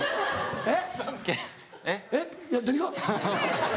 えっ？